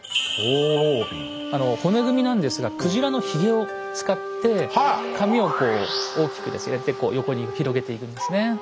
骨組みなんですが鯨のひげを使って髪をこう大きく横に広げているんですね。